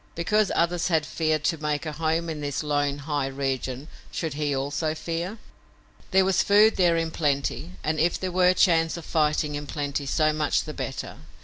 Because others had feared to make a home in this lone, high region should he also fear? There was food there in plenty and if there were chance of fighting in plenty, so much the better!